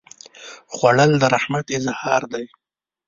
خوړل د رحمت اظهار دی